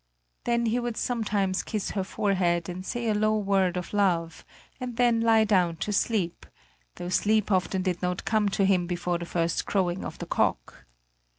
Then he would sometimes kiss her forehead and say a low word of love, and then lie down to sleep, though sleep often did not come to him before the first crowing of the cock.